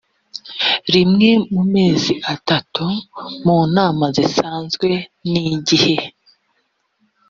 rimwe mu mezi atatu mu nama zisanzwe n igihe